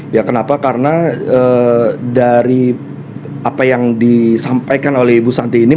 ya kenapa karena dari apa yang disampaikan oleh ibu santi ini